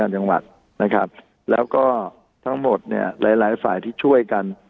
จังหวัดนะครับแล้วก็ทั้งหมดเนี่ยหลายหลายฝ่ายที่ช่วยกัน